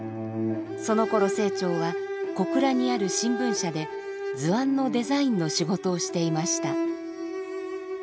そのころ清張は小倉にある新聞社で図案のデザインの仕事をしていました。